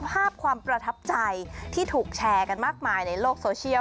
ภาพความประทับใจที่ถูกแชร์กันมากมายในโลกโซเชียล